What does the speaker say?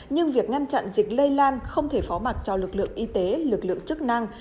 nhưng việc ngăn chặn dịch lây lan không thể phó mặt cho lực lượng y tế lực lượng chức năng